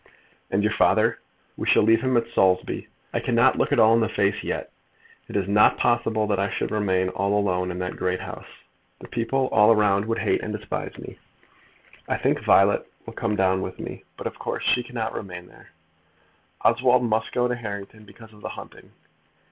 "And your father?" "We shall leave him at Saulsby. I cannot look it all in the face yet. It is not possible that I should remain all alone in that great house. The people all around would hate and despise me. I think Violet will come down with me, but of course she cannot remain there. Oswald must go to Harrington because of the hunting.